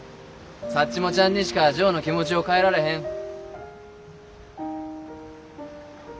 サッチモちゃんにしかジョーの気持ちを変えられへん。